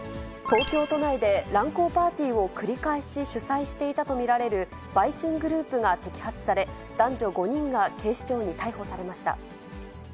東京都内で、乱交パーティーを繰り返し主催していたと見られる売春グループが摘発され、男女５人が警視庁に逮捕されました。